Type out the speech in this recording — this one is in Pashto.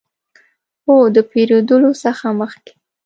هو، د پیرودلو څخه مخکې